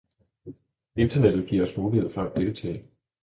internettet giver os mulighed for at deltage